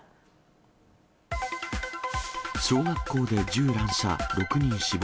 小学校で銃乱射、６人死亡。